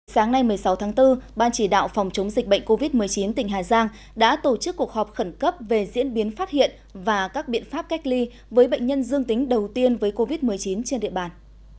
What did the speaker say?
sáng nay một mươi sáu tháng bốn ban chỉ đạo phòng chống dịch bệnh covid một mươi chín tỉnh hà giang đã tổ chức cuộc họp khẩn cấp về diễn biến phát hiện và các biện pháp cách ly với bệnh nhân dương tính đầu tiên với covid một mươi chín trên địa bàn